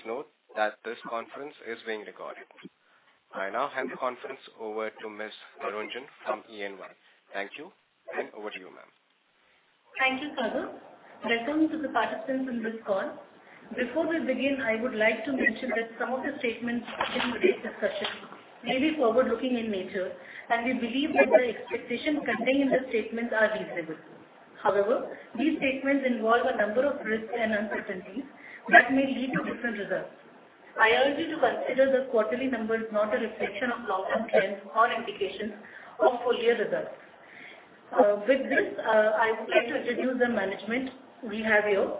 Please note that this conference is being recorded. I now hand the conference over to Ms. Anuranjan from [EN1]. Thank you, and over to you, ma'am. Thank you, Pradhan. Welcome to the participants in this call. Before we begin, I would like to mention that some of the statements in today's discussion may be forward-looking in nature, and we believe that the expectations contained in the statements are reasonable. However, these statements involve a number of risks and uncertainties that may lead to different results. I urge you to consider the quarterly numbers, not a reflection of long-term trends or indications of full year results. With this, I would like to introduce the management we have here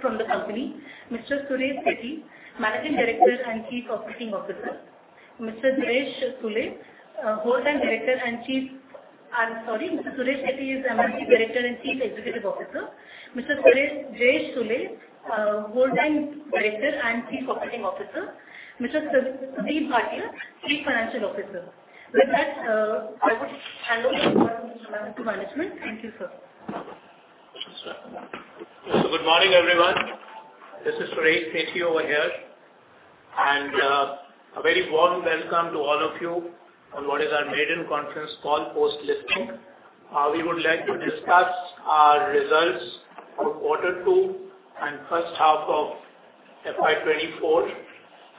from the company. Mr. Suresh Sethi, Managing Director and Chief Operating Officer. Mr. Jayesh Sule, Whole Time Director and Chief... I'm sorry, Mr. Suresh Sethi is Managing Director and Chief Executive Officer. Mr. Jayesh Sule, Whole Time Director and Chief Operating Officer. Mr. Sudeep Bhatia, Chief Financial Officer. With that, I would hand over to management. Thank you, sir. Good morning, everyone. This is Suresh Sethi over here, and, a very warm welcome to all of you on what is our maiden conference call post-listing. We would like to discuss our results for quarter two and first half of FY 2024.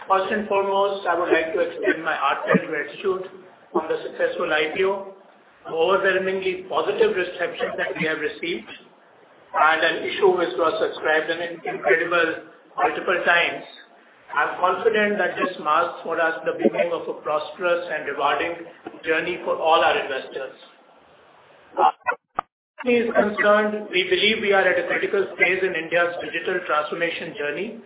First and foremost, I would like to extend my heartfelt gratitude on the successful IPO, overwhelmingly positive reception that we have received, and an issue which was subscribed in incredible multiple times. I'm confident that this marks for us the beginning of a prosperous and rewarding journey for all our investors. As is concerned, we believe we are at a critical phase in India's digital transformation journey,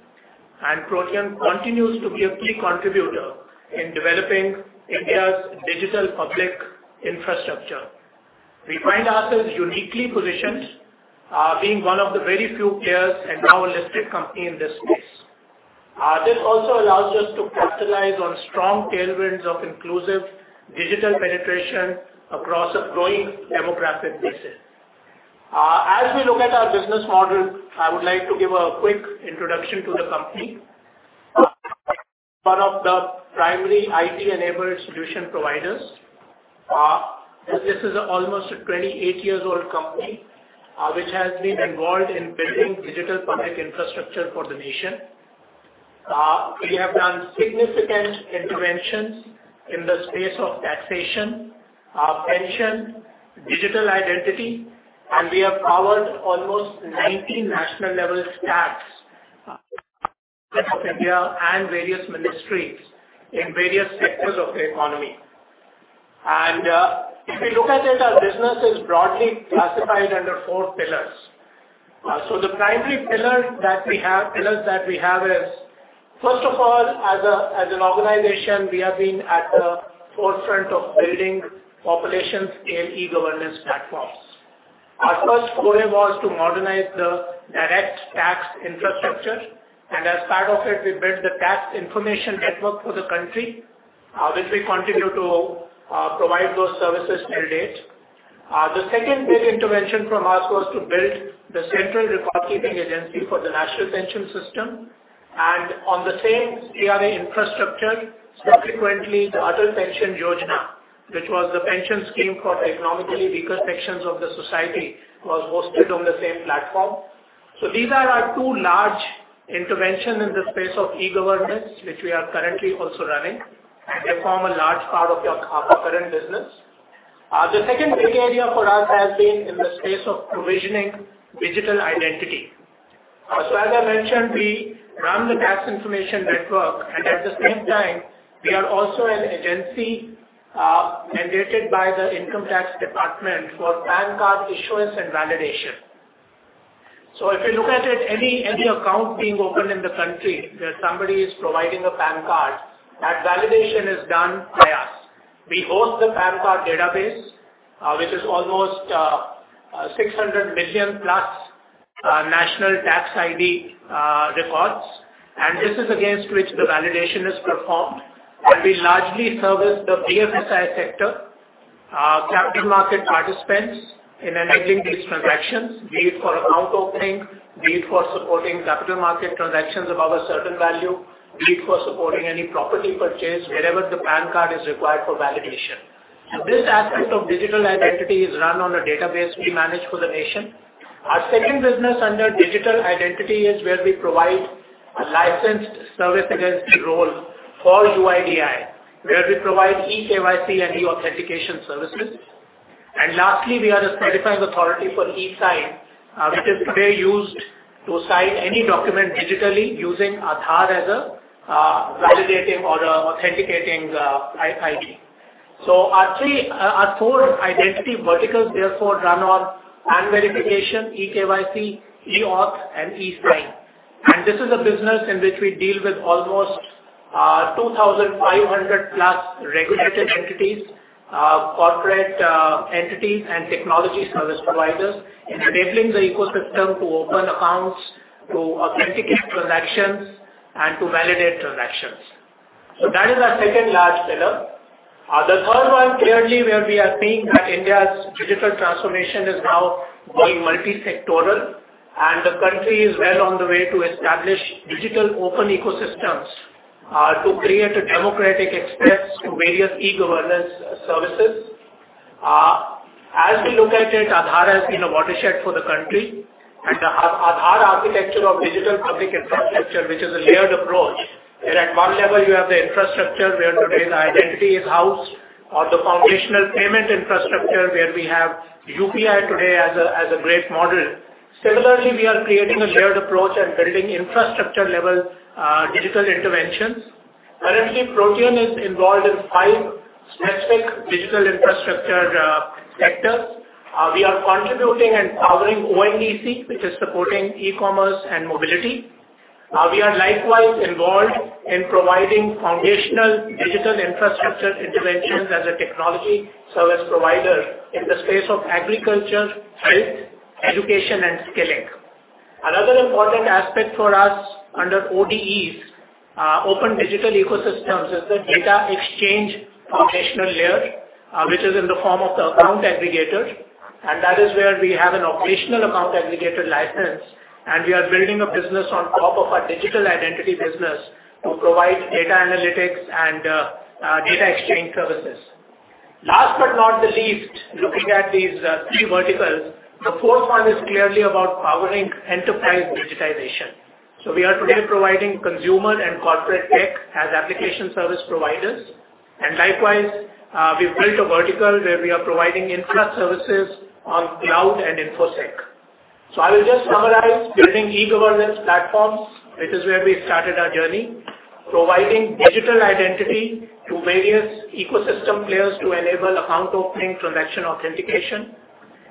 and Protean continues to be a key contributor in developing India's digital public infrastructure. We find ourselves uniquely positioned, being one of the very few players and now a listed company in this space. This also allows us to capitalize on strong tailwinds of inclusive digital penetration across a growing demographic basis. As we look at our business model, I would like to give a quick introduction to the company. One of the primary IT-enabled solution providers, this is almost a 28-year-old company, which has been involved in building digital public infrastructure for the nation. We have done significant interventions in the space of taxation, pension, digital identity, and we have covered almost 90 national level stacks of India and various ministries in various sectors of the economy. And, if you look at it, our business is broadly classified under four pillars. So the primary pillar that we have, pillars that we have is, first of all, as a, as an organization, we have been at the forefront of building populations-scale e-governance platforms. Our first goal was to modernize the direct tax infrastructure, and as part of it, we built the Tax Information Network for the country, which we continue to provide those services till date. The second big intervention from us was to build the Central Recordkeeping Agency for the National Pension System, and on the same CRA infrastructure, subsequently, the other pension yojana, which was the pension scheme for Economically Weaker Sections of the society, was hosted on the same platform. So these are our two large interventions in the space of e-governance, which we are currently also running, and they form a large part of our current business. The second big area for us has been in the space of provisioning digital identity. As I mentioned, we run the tax information network, and at the same time, we are also an agency mandated by the Income Tax Department for PAN card issuance and validation. If you look at it, any account being opened in the country, where somebody is providing a PAN card, that validation is done by us. We host the PAN card database, which is almost 600 million+ national tax ID records, and this is against which the validation is performed. We largely service the BFSI sector, capital market participants in enabling these transactions, be it for account opening, be it for supporting capital market transactions above a certain value, be it for supporting any property purchase, wherever the PAN card is required for validation. So this aspect of digital identity is run on a database we manage for the nation. Our second business under digital identity is where we provide a licensed service agency role for UIDAI, where we provide eKYC and e-Authentication services. And lastly, we are a certified authority for eSign, which is today used to sign any document digitally using Aadhaar as a validating or authenticating ID. So our three, our four identity verticals therefore run on PAN verification, eKYC, eAuth, and eSign. And this is a business in which we deal with almost 2,500+ regulated entities, corporate entities, and technology service providers in enabling the ecosystem to open accounts, to authenticate transactions, and to validate transactions. So that is our second large pillar.... The third one, clearly, where we are seeing that India's digital transformation is now going multisectoral, and the country is well on the way to establish digital open ecosystems to create a democratic access to various e-governance services. As we look at it, Aadhaar has been a watershed for the country, and the Aadhaar architecture of digital public infrastructure, which is a layered approach, where at one level you have the infrastructure where today's identity is housed, or the foundational payment infrastructure, where we have UPI today as a great model. Similarly, we are creating a layered approach and building infrastructure-level digital interventions. Currently, Protean is involved in five specific digital infrastructure sectors. We are contributing and powering ONDC, which is supporting e-commerce and mobility. We are likewise involved in providing foundational digital infrastructure interventions as a technology service provider in the space of agriculture, health, education, and skilling. Another important aspect for us under ODEs, Open Digital Ecosystems, is the data exchange foundational layer, which is in the form of the Account Aggregator, and that is where we have an operational Account Aggregator license. And we are building a business on top of our digital identity business to provide data analytics and data exchange services. Last but not the least, looking at these three verticals, the fourth one is clearly about powering enterprise digitization. So we are today providing consumer and corporate tech as application service providers, and likewise, we've built a vertical where we are providing infra services on cloud and InfoSec. So I will just summarize, building e-governance platforms, which is where we started our journey. Providing digital identity to various ecosystem players to enable account opening, transaction authentication.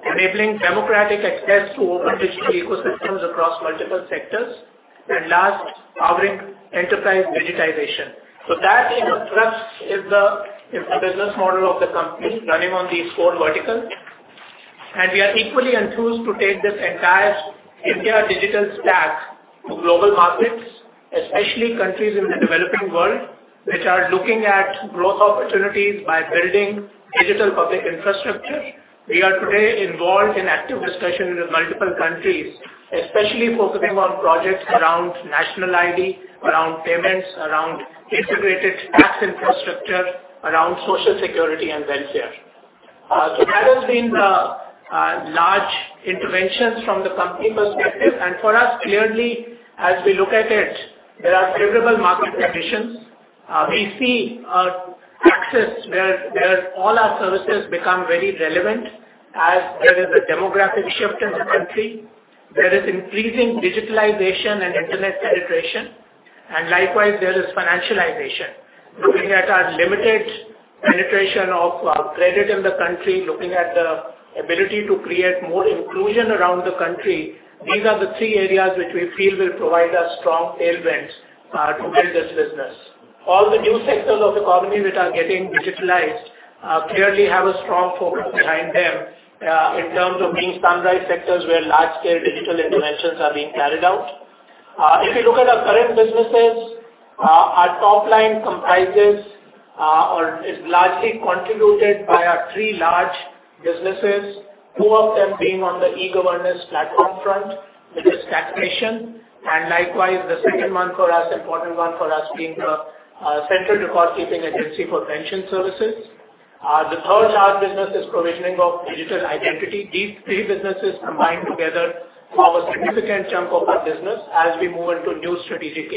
Enabling democratic access to open digital ecosystems across multiple sectors. And last, powering enterprise digitization. So that in a thrust is the, is the business model of the company running on these four verticals. And we are equally enthused to take this entire India digital stack to global markets, especially countries in the developing world, which are looking at growth opportunities by building digital public infrastructure. We are today involved in active discussions with multiple countries, especially focusing on projects around national ID, around payments, around integrated tax infrastructure, around social security, and welfare. So that has been the, large interventions from the company perspective. And for us, clearly, as we look at it, there are favorable market conditions. We see access where all our services become very relevant as there is a demographic shift in the country. There is increasing digitalization and internet penetration, and likewise, there is financialization. Looking at our limited penetration of credit in the country, looking at the ability to create more inclusion around the country, these are the three areas which we feel will provide us strong tailwinds to build this business. All the new sectors of the economy which are getting digitalized clearly have a strong focus behind them in terms of being sunrise sectors, where large-scale digital interventions are being carried out. If you look at our current businesses, our top line comprises or is largely contributed by our three large businesses, two of them being on the e-governance platform front, which is Tax Information. And likewise, the second one for us, important one for us, being the Central Recordkeeping Agency for pension services. The third large business is provisioning of digital identity. These three businesses combined together form a significant chunk of our business as we move into new strategic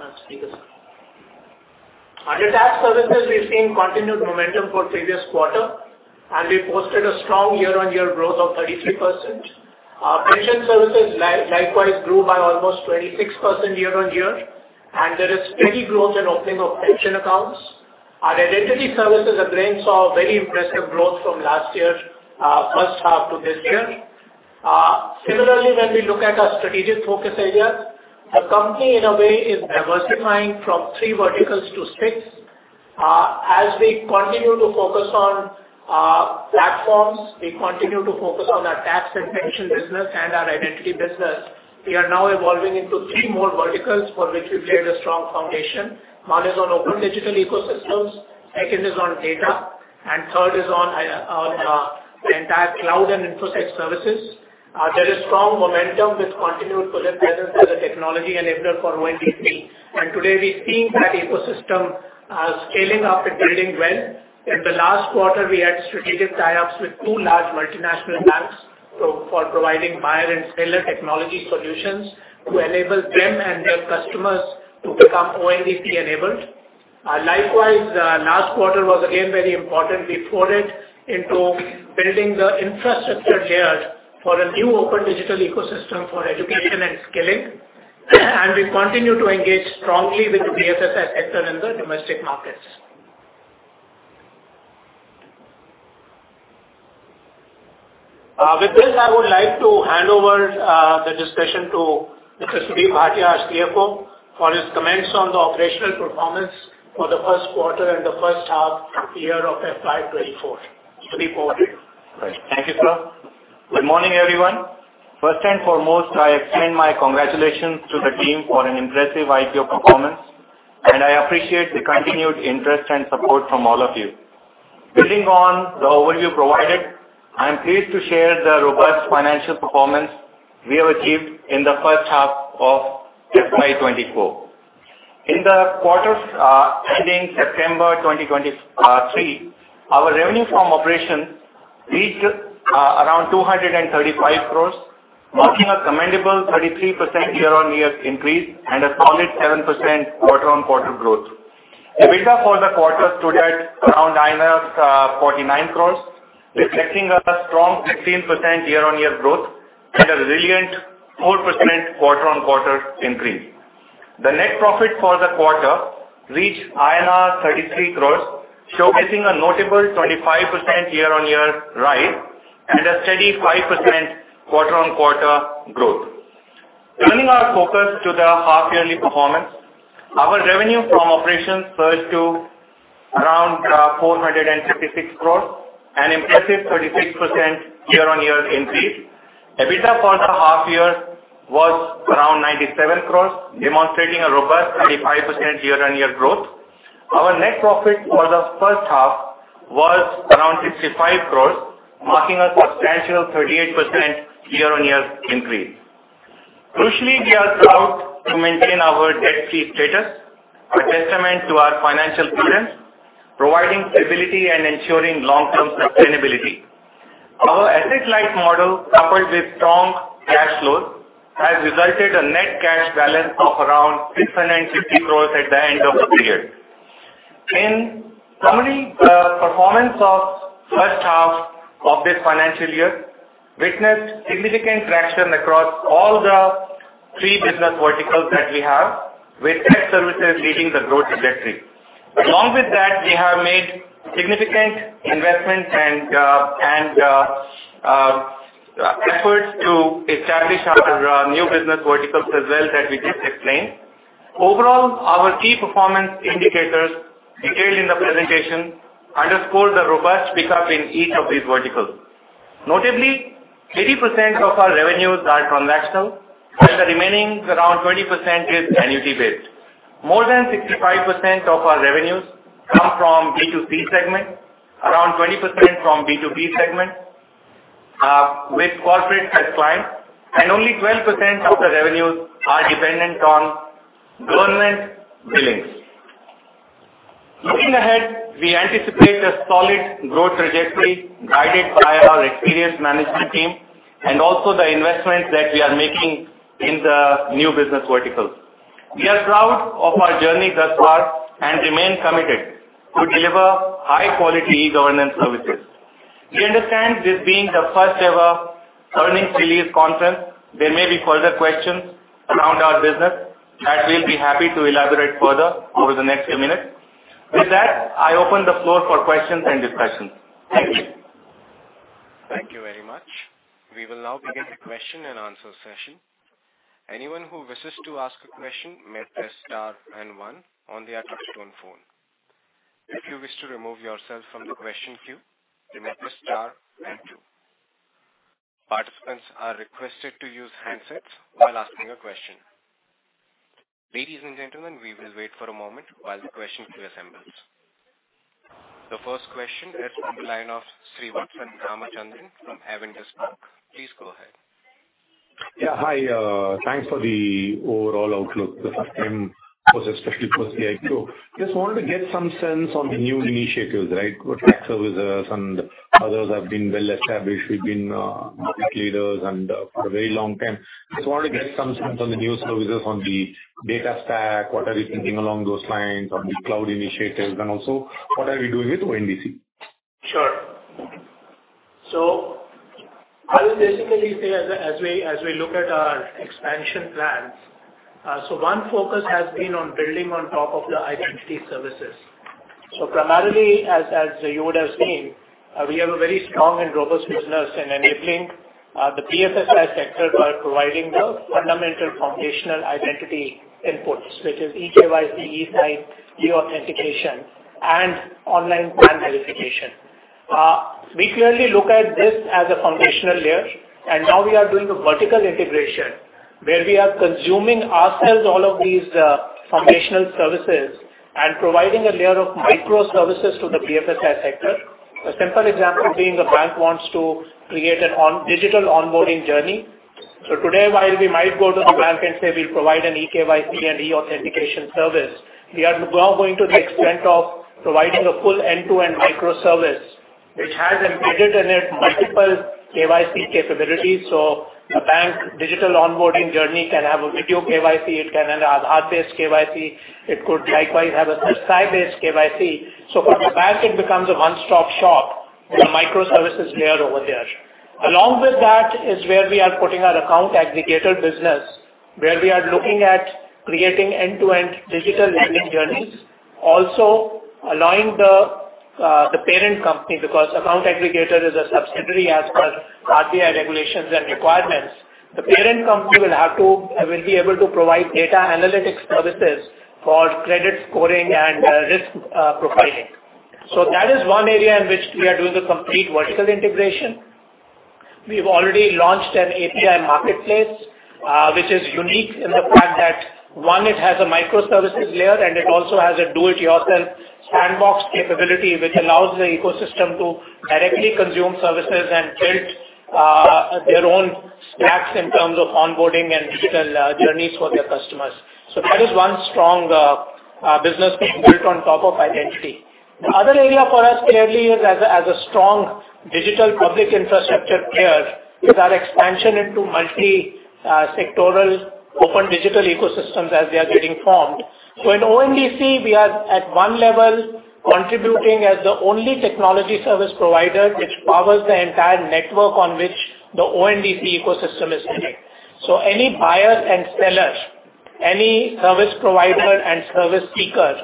areas. Under tax services, we've seen continued momentum for previous quarter, and we posted a strong year-on-year growth of 33%. Our pension services likewise grew by almost 26% year-on-year, and there is steady growth in opening of pension accounts. Our identity services again saw very impressive growth from last year, first half to this year. Similarly, when we look at our strategic focus area, the company, in a way, is diversifying from three verticals to six. As we continue to focus on platforms, we continue to focus on our tax and pension business and our identity business. We are now evolving into three more verticals for which we've created a strong foundation. One is on open digital ecosystems, second is on data, and third is on the entire cloud and infosec services. There is strong momentum, which continued presence as a technology enabler for ONDC. Today, we've seen that ecosystem scaling up and building well. In the last quarter, we had strategic tie-ups with two large multinational banks, so for providing buyer and seller technology solutions, to enable them and their customers to become ONDC-enabled. Likewise, last quarter was again very important. We poured it into building the infrastructure layers for a new open digital ecosystem for education and skilling. We continue to engage strongly with the BFSI sector in the domestic markets. With this, I would like to hand over the discussion to Mr. Sudeep Bhatia, our CFO, for his comments on the operational performance for the first quarter and the first half year of FY 2024. Sudeep, over to you. Thank you, sir. Good morning, everyone. First and foremost, I extend my congratulations to the team for an impressive IPO performance, and I appreciate the continued interest and support from all of you. Building on the overview provided, I'm pleased to share the robust financial performance we have achieved in the first half of FY 2024. In the quarters ending September 2023, our revenue from operations reached around 235 crore, marking a commendable 33% year-on-year increase and a solid 7% quarter-on-quarter growth. EBITDA for the quarter stood at around 49 crore, reflecting a strong 16% year-on-year growth and a resilient 4% quarter-on-quarter increase. The net profit for the quarter reached INR 33 crore, showcasing a notable 25% year-on-year rise and a steady 5% quarter-on-quarter growth. Turning our focus to the half-yearly performance, our revenue from operations surged to around 456 crore, an impressive 36% year-on-year increase. EBITDA for the half year was around 97 crore, demonstrating a robust 35% year-on-year growth. Our net profit for the first half was around 65 crore, marking a substantial 38% year-on-year increase. Crucially, we are proud to maintain our debt-free status, a testament to our financial prudence, providing stability and ensuring long-term sustainability. Our asset-light model, coupled with strong cash flows, has resulted a net cash balance of around 650 crore at the end of the period. In summary, performance of first half of this financial year witnessed significant traction across all the three business verticals that we have, with tech services leading the growth trajectory. Along with that, we have made significant investments and efforts to establish our new business verticals as well, that we just explained. Overall, our key performance indicators detailed in the presentation underscore the robust pickup in each of these verticals. Notably, 80% of our revenues are transactional, and the remaining, around 20%, is annuity-based. More than 65% of our revenues come from B2C segment, around 20% from B2B segment, with corporate as clients, and only 12% of the revenues are dependent on government billings. Looking ahead, we anticipate a solid growth trajectory guided by our experienced management team and also the investments that we are making in the new business verticals. We are proud of our journey thus far and remain committed to deliver high-quality e-governance services. We understand this being the first-ever earnings release conference, there may be further questions around our business, and we'll be happy to elaborate further over the next few minutes. With that, I open the floor for questions and discussions. Thank you. Thank you very much. We will now begin the question-and-answer session. Anyone who wishes to ask a question may press star and one on their touch-tone phone. If you wish to remove yourself from the question queue, you may press star and two. Participants are requested to use handsets while asking a question. Ladies and gentlemen, we will wait for a moment while the question queue assembles. The first question is from the line of Srivathsan Ramachandran from Avendus Spark. Please go ahead. Yeah, hi. Thanks for the overall outlook, the first time, especially for CIP. Just wanted to get some sense on the new initiatives, right? What tech services and others have been well-established. We've been market leaders and for a very long time. Just wanted to get some sense on the new services, on the data stack. What are you thinking along those lines, on the cloud initiatives, and also what are we doing with ONDC? Sure. So I will basically say as we look at our expansion plans, so one focus has been on building on top of the identity services. So primarily, as you would have seen, we have a very strong and robust business in enabling the BFSI sector by providing the fundamental foundational identity inputs, which is eKYC, eSign, e-Authentication, and online PAN verification. We clearly look at this as a foundational layer, and now we are doing a vertical integration, where we are consuming ourselves all of these foundational services and providing a layer of micro services to the BFSI sector. A simple example being, the bank wants to create a on-digital onboarding journey. So today, while we might go to the bank and say we provide an eKYC and eAuthentication service, we are now going to the extent of providing a full end-to-end microservice, which has embedded in it multiple KYC capabilities. So a bank digital onboarding journey can have a video KYC, it can have Aadhaar-based KYC, it could likewise have an eSign-based KYC. So for the bank, it becomes a one-stop shop, a microservices layer over there. Along with that is where we are putting our Account Aggregator business, where we are looking at creating end-to-end digital lending journeys. Also allowing the parent company, because Account Aggregator is a subsidiary as per RBI regulations and requirements. The parent company will be able to provide data analytics services for credit scoring and risk profiling. So that is one area in which we are doing the complete vertical integration. We've already launched an API marketplace, which is unique in the fact that, one, it has a microservices layer, and it also has a do-it-yourself sandbox capability, which allows the ecosystem to directly consume services and build their own stacks in terms of onboarding and digital journeys for their customers. So that is one strong business being built on top of identity. The other area for us clearly is as a strong digital public infrastructure player, is our expansion into multi sectoral open digital ecosystems as they are getting formed. So in ONDC, we are at one level contributing as the only technology service provider, which powers the entire network on which the ONDC ecosystem is sitting. So any buyers and sellers, any service provider and service seekers,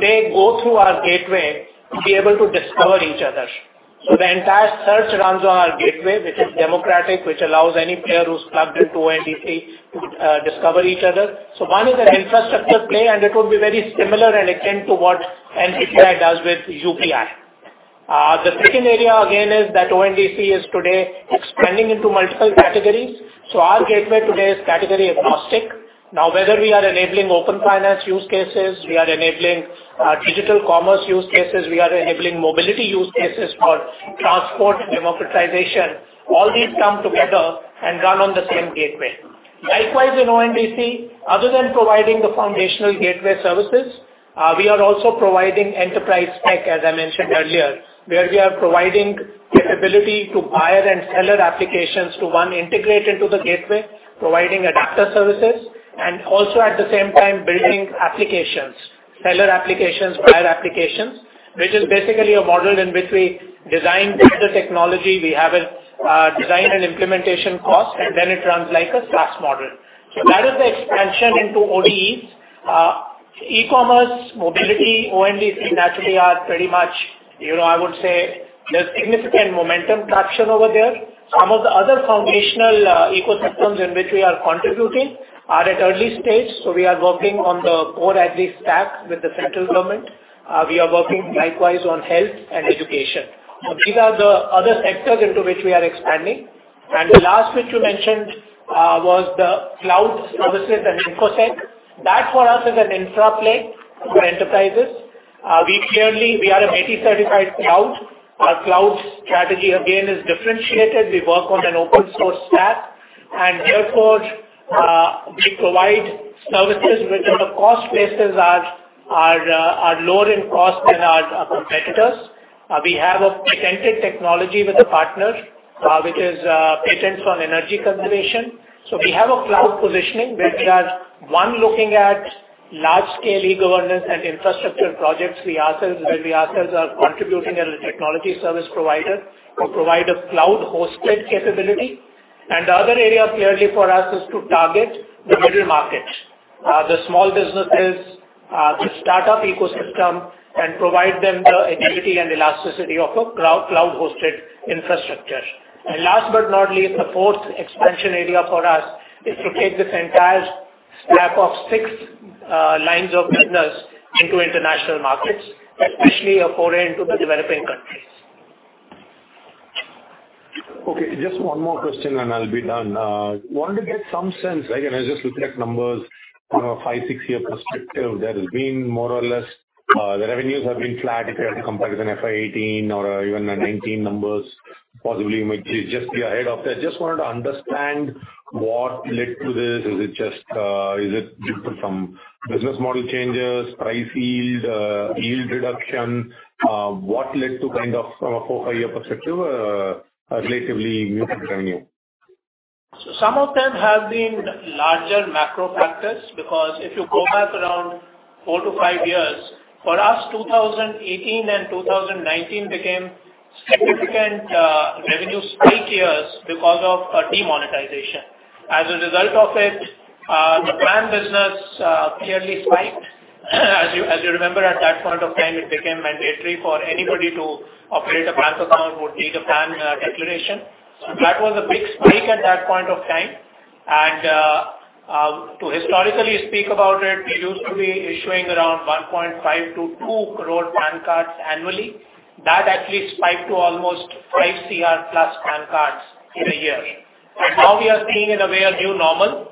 they go through our gateway to be able to discover each other. So the entire search runs on our gateway, which is democratic, which allows any player who's plugged into ONDC to discover each other. So one is an infrastructure play, and it would be very similar and akin to what NPCI does with UPI. The second area again is that ONDC is today expanding into multiple categories. So our gateway today is category agnostic. Now, whether we are enabling open finance use cases, we are enabling digital commerce use cases, we are enabling mobility use cases for transport democratization, all these come together and run on the same gateway. Likewise, in ONDC, other than providing the foundational gateway services, we are also providing enterprise tech, as I mentioned earlier, where we are providing the ability to buyer and seller applications to, one, integrate into the gateway, providing adapter services, and also at the same time building applications, seller applications, buyer applications, which is basically a model in which we design the technology. We have a, design and implementation cost, and then it runs like a SaaS model. So that is the expansion into ODEs. e-commerce, mobility, ONDC naturally are pretty much, you know, I would say, there's significant momentum traction over there. Some of the other foundational, ecosystems in which we are contributing are at early stage, so we are working on the core ID stack with the central government. We are working likewise on health and education. These are the other sectors into which we are expanding. And the last, which you mentioned, was the cloud services and InfoSec. That for us is an infra play for enterprises. We clearly, we are a MeitY-certified cloud. Our cloud strategy, again, is differentiated. We work on an open-source stack, and therefore, we provide services which on the cost basis are lower in cost than our competitors. We have a patented technology with a partner, which is patents on energy conservation. So we have a cloud positioning, which is, one, looking at large-scale e-governance and infrastructure projects. We ourselves, where we ourselves are contributing as a technology service provider to provide a cloud-hosted capability. The other area clearly for us is to target the middle market, the small businesses, the startup ecosystem, and provide them the agility and elasticity of a cloud, cloud-hosted infrastructure. Last but not least, the fourth expansion area for us is to take this entire stack of six lines of business into international markets, especially foreign to the developing countries. Okay, just one more question, and I'll be done. Wanted to get some sense. Again, I was just looking at numbers from a 5-6-year perspective. There has been more or less, the revenues have been flat, if you have to compare with an FY 2018 or even the 2019 numbers, possibly you might just be ahead of that. Just wanted to understand what led to this. Is it just, is it due to some business model changes, price yield, yield reduction? What led to kind of from a 4-5-year perspective, relatively new revenue? So some of them have been larger macro factors, because if you go back around 4-5 years, for us, 2018 and 2019 became significant revenue spike years because of demonetization. As a result of it, the PAN business clearly spiked. As you remember, at that point of time, it became mandatory for anybody to operate a bank account would need a PAN declaration. So that was a big spike at that point of time. And to historically speak about it, we used to be issuing around 1.5-2 crore PAN cards annually. That actually spiked to almost 5 crore plus PAN cards in a year. And now we are seeing in a way a new normal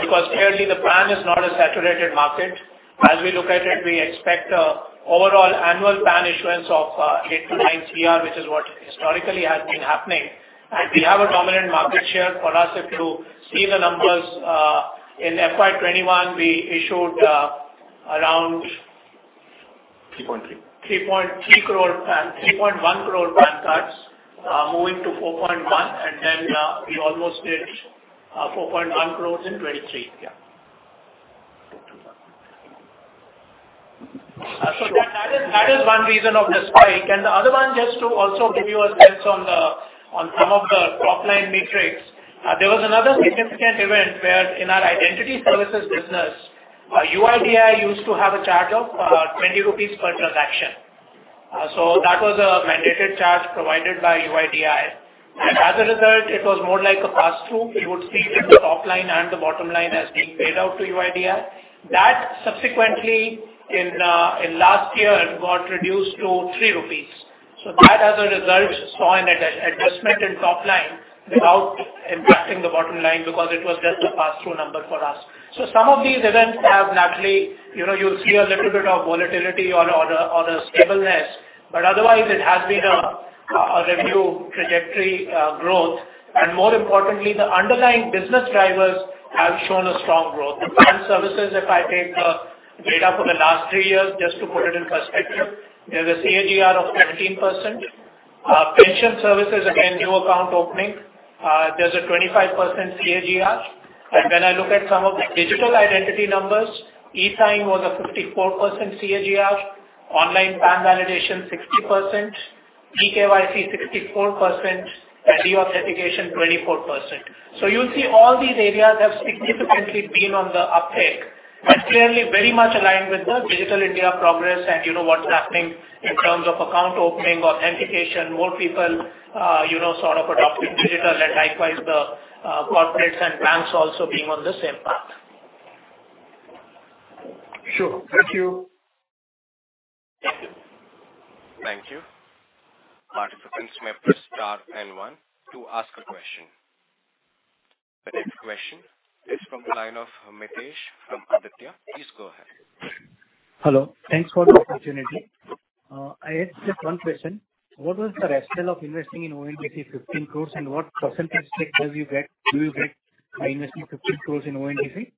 because clearly, the PAN is not a saturated market. As we look at it, we expect overall annual PAN issuance of 8-9 crore, which is what historically has been happening. We have a dominant market share. For us, if you see the numbers, in FY 21, we issued around- 3.3 crore. 3.3 crore PAN, 3.1 crore PAN cards, moving to 4.1, and then, we almost did, 4.1 crore in 2023. Yeah. Total. So that is, that is one reason of the spike. The other one, just to also give you a sense on the- on some of the top-line metrics. There was another significant event where in our identity services business, UIDAI used to have a charge of 20 rupees per transaction. So that was a mandated charge provided by UIDAI. And as a result, it was more like a pass-through. You would see it in the top line and the bottom line as being paid out to UIDAI. That subsequently in, in last year, it got reduced to 3 rupees. So that, as a result, saw an adjustment in top line without impacting the bottom line, because it was just a pass-through number for us. So some of these events have naturally, you know, you'll see a little bit of volatility on stability, but otherwise it has been a revenue trajectory, growth. And more importantly, the underlying business drivers have shown a strong growth. The PAN services, if I take the data for the last three years, just to put it in perspective, there's a CAGR of 17%. Pension services, again, new account opening, there's a 25% CAGR. And when I look at some of the digital identity numbers, eSign was a 54% CAGR, online PAN validation, 60%, eKYC, 64%, and e-Authentication, 24%. So you'll see all these areas have significantly been on the uptick, but clearly very much aligned with the Digital India progress and you know what's happening in terms of account opening, authentication, more people, you know, sort of adopting digital and likewise the corporates and banks also being on the same path. Sure. Thank you. Thank you. Participants may press star and one to ask a question. The next question is from the line of Mitesh from Aditya. Please go ahead. Hello. Thanks for the opportunity. I had just one question: What was the rationale of investing in ONDC, 15 crore, and what percentage rate will you get, do you get by investing 15 crore in ONDC?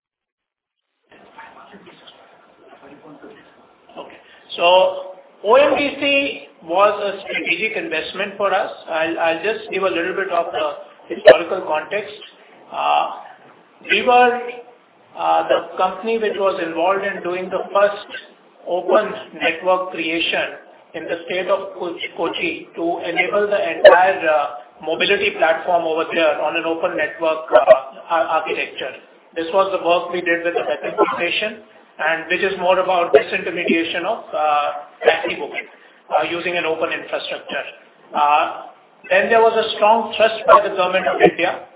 Okay. So ONDC was a strategic investment for us. I'll, I'll just give a little bit of the historical context. We were the company which was involved in doing the first open network creation in the state of Kochi to enable the entire mobility platform over there on an open network architecture. This was the work we did with the taxi association, and which is more about disintermediation of taxi booking using an open infrastructure. Then there was a strong trust by the government of India,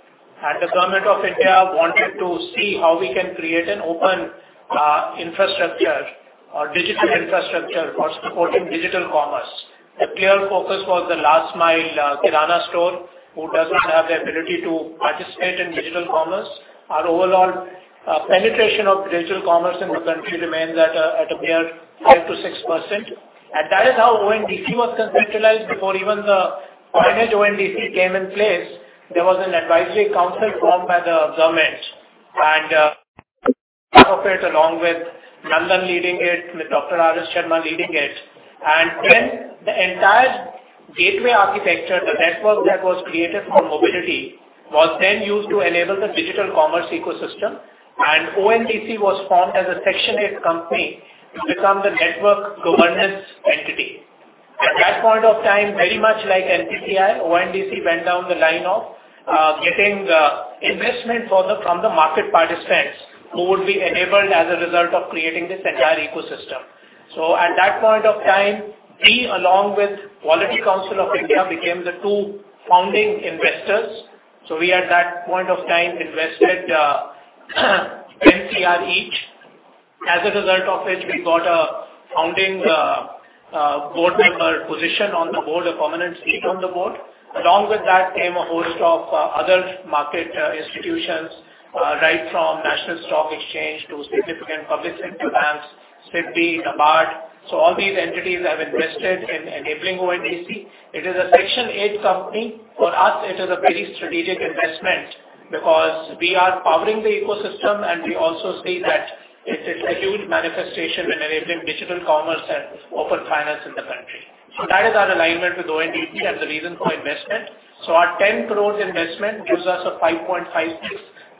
and the government of India wanted to see how we can create an open infrastructure or digital infrastructure for supporting digital commerce. The clear focus was the last mile Kirana store, who doesn't have the ability to participate in digital commerce. Our overall penetration of digital commerce in the country remains at a mere 5%-6%. That is how ONDC was conceptualized before even the finance ONDC came in place. There was an advisory council formed by the government and along with Nandan leading it, with Dr. R.S. Sharma leading it. When the entire gateway architecture, the network that was created for mobility, was then used to enable the digital commerce ecosystem, and ONDC was formed as a Section 8 company to become the network governance entity. At that point of time, very much like NPCI, ONDC went down the line of getting the investment from the market participants who would be enabled as a result of creating this entire ecosystem. At that point of time, we, along with Quality Council of India, became the two founding investors. So we, at that point of time, invested 20 crore each. As a result of which, we got a founding board member position on the board, a permanent seat on the board. Along with that came a host of other market institutions right from National Stock Exchange to significant public sector banks, SIDBI, NABARD. So all these entities have invested in enabling ONDC. It is a Section 8 company. For us, it is a very strategic investment because we are powering the ecosystem, and we also see that it's a huge manifestation in enabling digital commerce and open finance in the country. So that is our alignment with ONDC and the reason for investment. So our 10 crore investment gives us a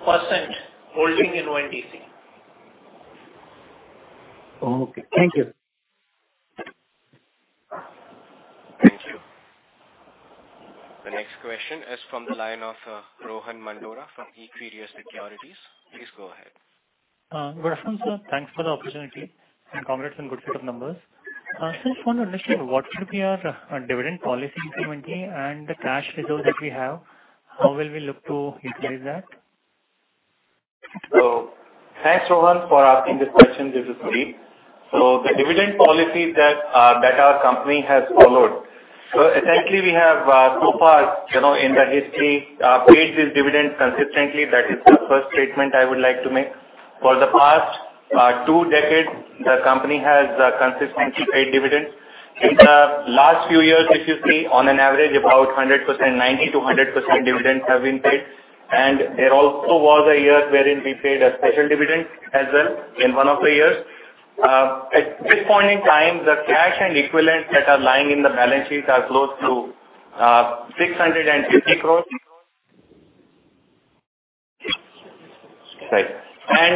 5.56% holding in ONDC. Okay. Thank you. Thank you. The next question is from the line of Rohan Mandora from Equirus Securities. Please go ahead. Good afternoon, sir. Thanks for the opportunity, and congrats on good set of numbers. So I just want to understand, what should be our dividend policy implementally and the cash reserve that we have, how will we look to utilize that? So thanks, Rohan, for asking this question. This is Deep. The dividend policy that our company has followed. Essentially, we have so far, you know, in the history, paid this dividend consistently. That is the first statement I would like to make. For the past two decades, the company has consistently paid dividends. In the last few years, if you see, on average, about 100%, 90%-100% dividends have been paid. And there also was a year wherein we paid a special dividend as well in one of the years. At this point in time, the cash and equivalents that are lying in the balance sheets are close to 650 crore. Sorry.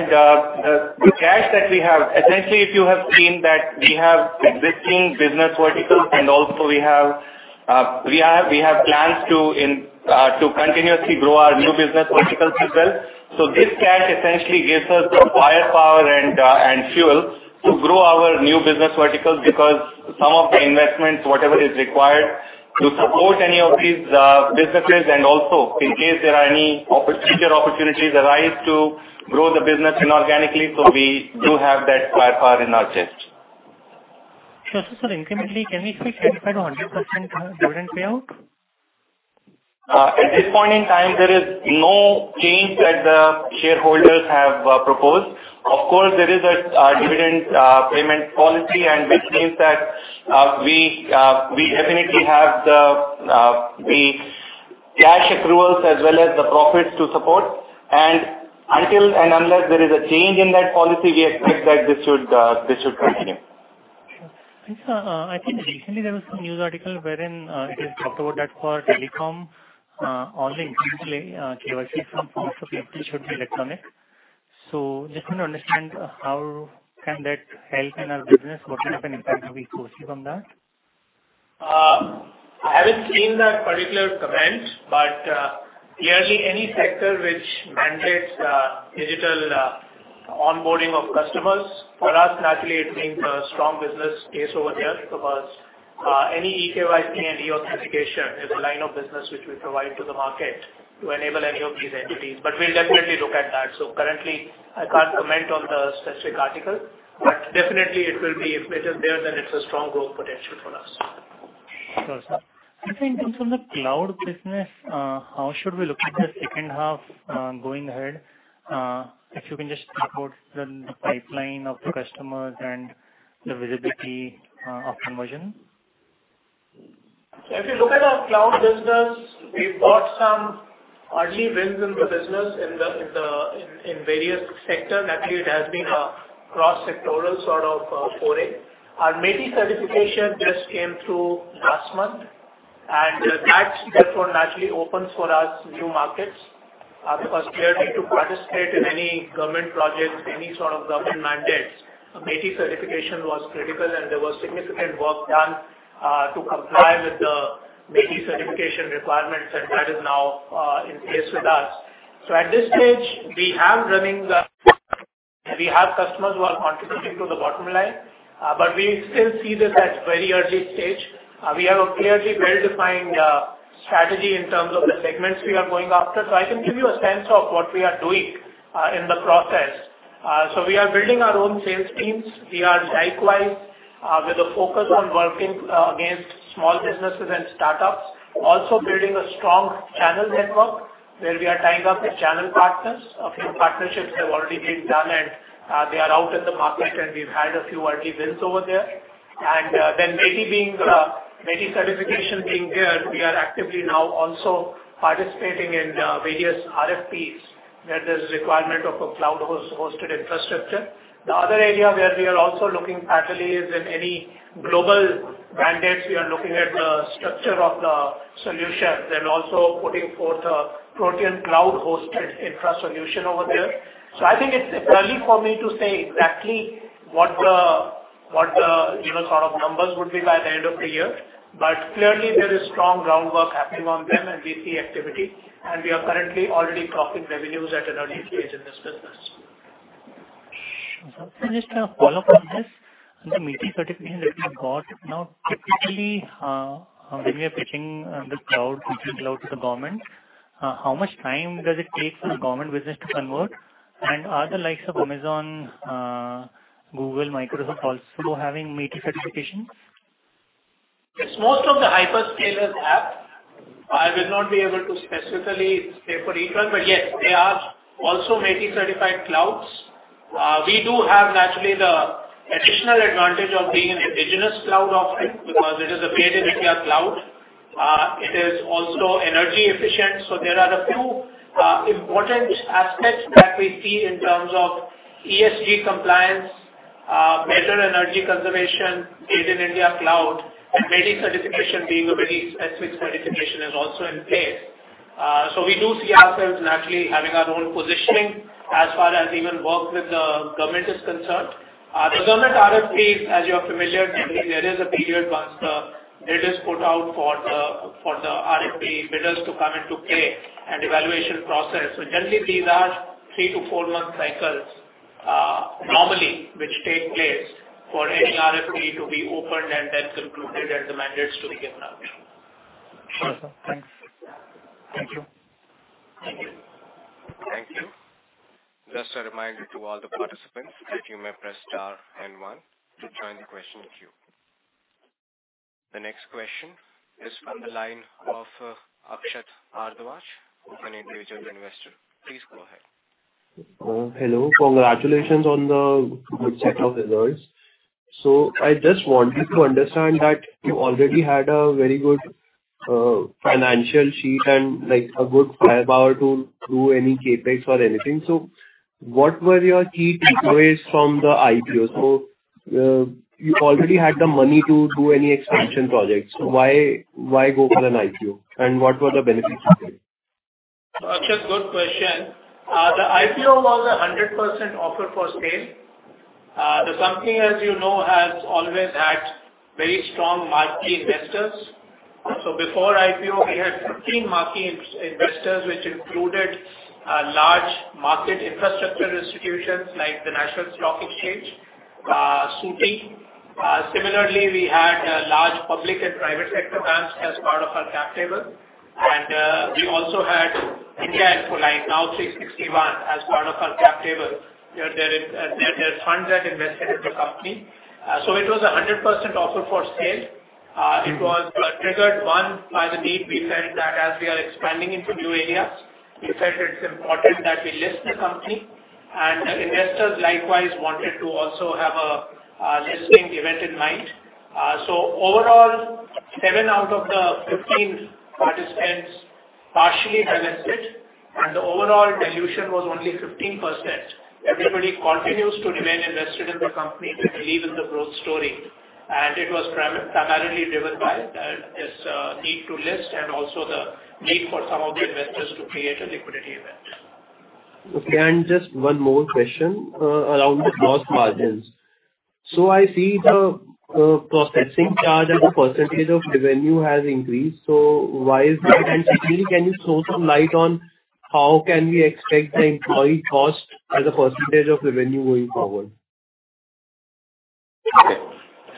The cash that we have, essentially, if you have seen that we have existing business verticals and also we have plans to continuously grow our new business verticals as well. So this cash essentially gives us the firepower and fuel to grow our new business verticals, because some of the investments, whatever is required to support any of these businesses, and also in case there are any bigger opportunities arise to grow the business inorganically, so we do have that firepower in our chest. Sure, sir. So incrementally, can we see 100% dividend payout? At this point in time, there is no change that the shareholders have proposed. Of course, there is a dividend payment policy and which means that we definitely have the cash accruals as well as the profits to support. And until and unless there is a change in that policy, we expect that this should continue. Sure. I think recently there was some news article wherein, it was talked about that for telecom, all the internally, KYC some forms should be electronic. So just want to understand, how can that help in our business? What kind of an impact are we foresee from that? I haven't seen that particular comment, but, clearly, any sector which mandates, digital, onboarding of customers, for us, naturally, it means a strong business case over there. Because, any eKYC and e-Authentication is a line of business which we provide to the market to enable any of these entities, but we'll definitely look at that. So currently, I can't comment on the specific article, but definitely it will be, if it is there, then it's a strong growth potential for us. Sure, sir. I think in terms of the cloud business, how should we look at the second half, going ahead? If you can just talk about the pipeline of the customers and the visibility, of conversion? If you look at our cloud business, we've got some early wins in the business in various sectors. Naturally, it has been a cross-sectoral sort of foray. Our MeitY certification just came through last month, and that therefore naturally opens for us new markets, because clearly to participate in any government projects, any sort of government mandates, a MeitY certification was critical, and there was significant work done to comply with the MeitY certification requirements, and that is now in place with us. So at this stage, we have running the... We have customers who are contributing to the bottom line, but we still see this as very early stage. We have a clearly well-defined strategy in terms of the segments we are going after. So I can give you a sense of what we are doing, in the process. So we are building our own sales teams. We are likewise, with a focus on working, against small businesses and startups. Also building a strong channel network, where we are tying up with channel partners. A few partnerships have already been done, and, they are out in the market, and we've had a few early wins over there. And, then MeitY being, MeitY certification being there, we are actively now also participating in, various RFPs, where there's requirement of a cloud-hosted infrastructure. The other area where we are also looking actively is in any global mandates. We are looking at the structure of the solution, then also putting forth a Protean cloud-hosted infra solution over there. I think it's early for me to say exactly what the you know, sort of numbers would be by the end of the year, but clearly there is strong groundwork happening on them, and we see activity, and we are currently already talking revenues at an early stage in this business. Sure. Can I just, follow up on this? The MeitY certification that you got, now, typically, when we are pitching, the cloud, digital cloud to the government, how much time does it take for the government business to convert? And are the likes of Amazon, Google, Microsoft also having MeitY certification? Yes, most of the hyperscalers have. I will not be able to specifically say for each one, but yes, they are also MeitY-certified clouds. We do have naturally the additional advantage of being an indigenous cloud offering, because it is a Made in India cloud. It is also energy efficient. So there are a few important aspects that we see in terms of ESG compliance, better energy conservation, Made in India cloud, and MeitY certification being a very strict certification is also in place. So we do see ourselves naturally having our own positioning as far as even work with the government is concerned. The government RFPs, as you are familiar, I believe there is a period once it is put out for the RFP bidders to come into play and evaluation process. Generally these are three-month to four-month cycles, normally, which take place for any RFP to be opened and then concluded, and the mandates to be given out. Sure, sir. Thanks. Thank you. Thank you. Thank you. Just a reminder to all the participants that you may press star and one to join the question queue. The next question is from the line of Akshat Ardawash, an individual investor. Please go ahead. Hello. Congratulations on the good set of results. So I just wanted to understand that you already had a very good, financial sheet and, like, a good firepower to do any CapEx or anything. So what were your key takeaways from the IPO? So, you already had the money to do any expansion projects, so why, why go for an IPO, and what were the benefits you get?... Such a good question. The IPO was 100% offer for sale. The company, as you know, has always had very strong marquee investors. So before IPO, we had 15 marquee investors, which included large market infrastructure institutions like the National Stock Exchange, UTI. Similarly, we had large public and private sector banks as part of our cap table. And we also had India Infoline, now 360 ONE, as part of our cap table. There are funds that invested in the company. So it was 100% offer for sale. It was triggered, one, by the need. We said that as we are expanding into new areas, we said it's important that we list the company. And the investors likewise wanted to also have a listing event in mind. So overall, seven out of the 15 participants partially divested, and the overall dilution was only 15%. Everybody continues to remain invested in the company. They believe in the growth story, and it was primarily driven by this need to list and also the need for some of the investors to create a liquidity event. Okay, and just one more question, around the gross margins. So I see the processing charge as a percentage of the revenue has increased. So why is that? And can you throw some light on how can we expect the employee cost as a percentage of the revenue going forward? Okay.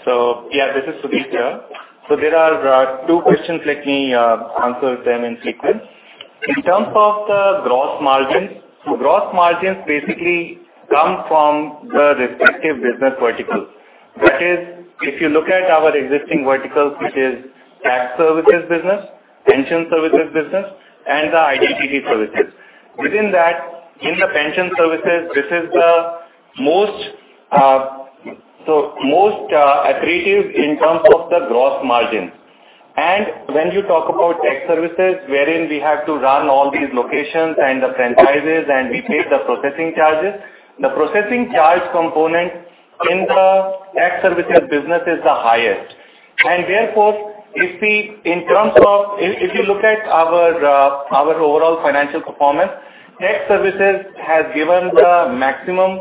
So yeah, this is Deep here. So there are two questions, let me answer them in sequence. In terms of the gross margins, so gross margins basically come from the respective business verticals. That is, if you look at our existing verticals, which is tax services business, pension services business, and the IDPD services. Within that, in the pension services, this is the most accretive in terms of the gross margin. And when you talk about tax services, wherein we have to run all these locations and the franchises, and we pay the processing charges, the processing charge component in the tax services business is the highest. And therefore, if we, in terms of... If you look at our, our overall financial performance, tax services has given the maximum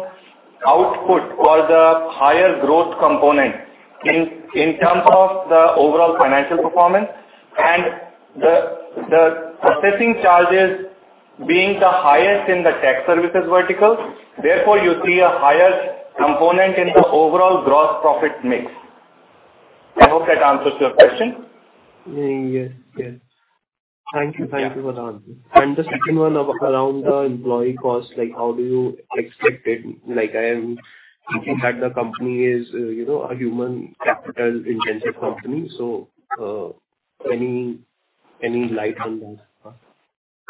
output for the higher growth component in terms of the overall financial performance and the processing charges being the highest in the tax services vertical. Therefore, you see a higher component in the overall gross profit mix. I hope that answers your question. Yes. Yes. Thank you. Yeah. Thank you for the answer. The second one around the employee cost, like, how do you expect it? Like, I am thinking that the company is, you know, a human capital-intensive company. So, any light on that?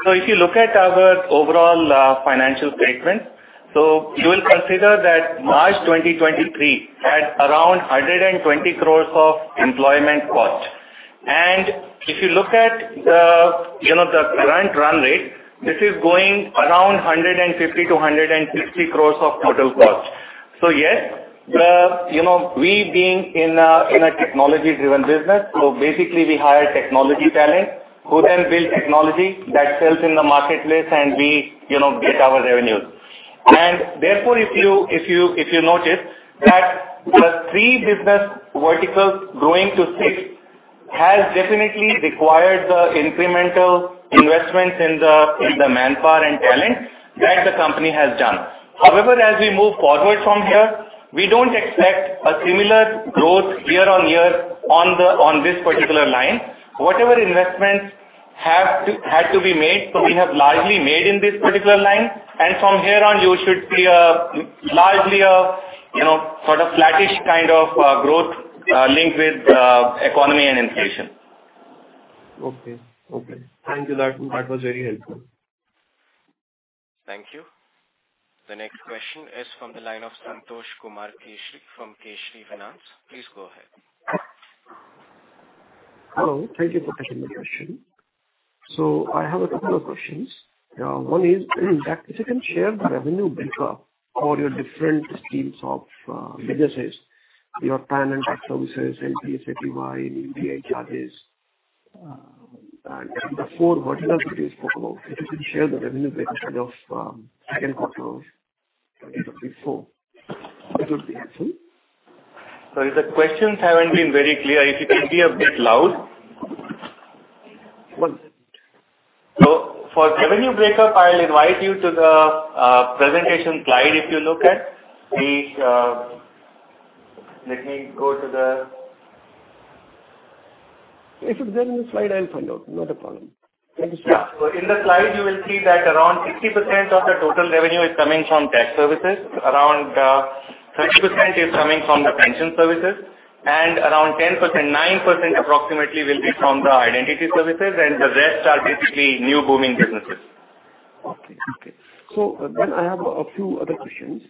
So if you look at our overall financial statement, you will consider that March 2023 had around 120 crore of employment cost. And if you look at the current run rate, this is going around 150-160 crore of total cost. So yes, we being in a technology-driven business, basically we hire technology talent who then build technology that sells in the marketplace, and we get our revenues. And therefore, if you notice that the three business verticals growing to six has definitely required the incremental investments in the manpower and talent that the company has done. However, as we move forward from here, we don't expect a similar growth year-on-year on this particular line. Whatever investments had to be made, so we have largely made in this particular line, and from here on, you should see largely a, you know, sort of flattish kind of growth linked with economy and inflation. Okay. Okay. Thank you. That, that was very helpful. Thank you. The next question is from the line of Santosh Kumar Keshri from Keshri Finance. Please go ahead. Hello. Thank you for taking my question. So I have a couple of questions. One is, in fact, if you can share the revenue breakup for your different streams of businesses, you know, PAN and services, [MPATY], API charges, and the four verticals that you spoke about, if you can share the revenue breakdown of second quarter of 2024, it would be helpful. Sorry, the questions haven't been very clear. If you can be a bit loud. One second. So for revenue breakup, I'll invite you to the presentation slide, if you look at. The... Let me go to the- If it's there in the slide, I'll find out. Not a problem. Thank you, sir. Yeah. So in the slide, you will see that around 60% of the total revenue is coming from tax services, around 30% is coming from the pension services, and around 10%, 9% approximately will be from the identity services, and the rest are basically new booming businesses. Okay. Okay. So then I have a few other questions.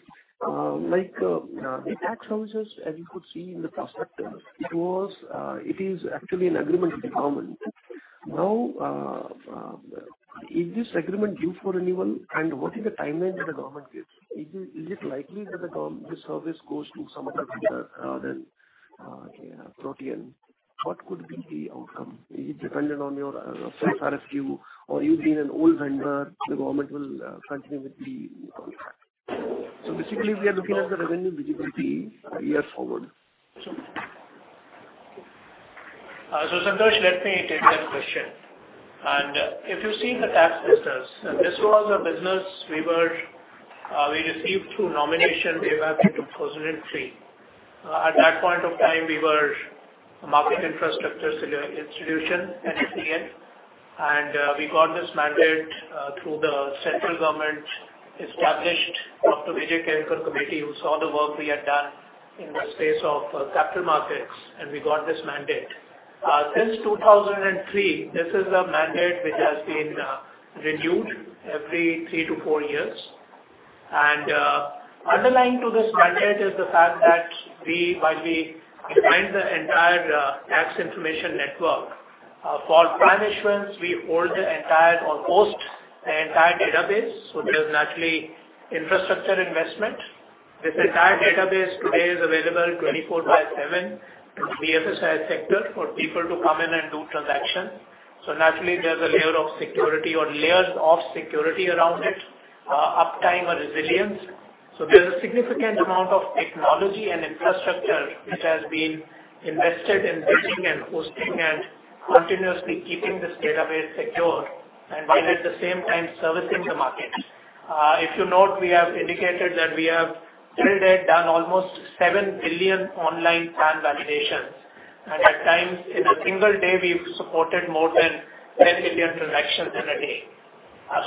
Like, the tax services, as you could see in the prospectus, it was, it is actually an agreement with the government. Now, is this agreement due for renewal, and what is the timeline that the government gives? Is it likely that the service goes to some other provider, then? Yeah, Protean, what could be the outcome? Is it dependent on your RFQ or you being an old vendor, the government will continue with the contract. So basically, we are looking at the revenue visibility years forward. So, Santosh, let me take that question. And if you've seen the tax business, and this was a business we received through nomination way back in 2003. At that point of time, we were market infrastructure institution, MFI. And, we got this mandate, through the central government established Dr. Vijay Kelkar Committee, who saw the work we had done in the space of capital markets, and we got this mandate. Since 2003, this is a mandate which has been, renewed every three to four years. And, underlying to this mandate is the fact that we, while we run the entire, Tax Information Network, for PAN issuance, we hold the entire or host the entire database. So there's naturally infrastructure investment. This entire database today is available 24/7 in the BFSI sector for people to come in and do transactions. So naturally, there's a layer of security or layers of security around it, uptime or resilience. So there's a significant amount of technology and infrastructure which has been invested in building and hosting and continuously keeping this database secure, and while at the same time, servicing the market. If you note, we have indicated that we have till date done almost 7 billion online PAN validations. And at times, in a single day, we've supported more than 10 million transactions in a day.